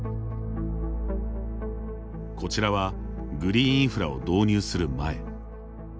こちらは、グリーンインフラを導入する前。